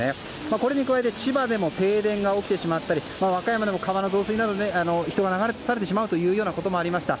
これに加えて千葉でも停電が起きてしまったり和歌山でも川の増水などで人が流されてしまうこともありました。